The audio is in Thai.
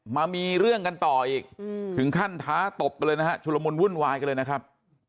มามีเรื่องกันต่ออีกถึงขั้นท้าตบกันเลยนะฮะชุลมุนวุ่นวายกันเลยนะครับ